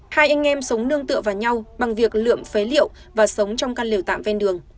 hai anh em sống nương tựa vào nhau bằng việc lượm phế liệu và sống trong căn lều tạm ven đường